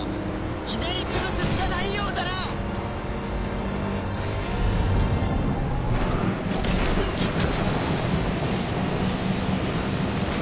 ひねり潰すしかないようだな！敵か。